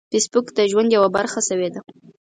فېسبوک د ژوند یوه برخه شوې ده